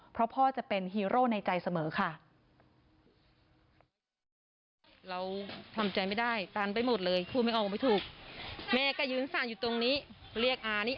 เพราะพ่อจะเป็นฮีโร่ในใจเสมอค่ะ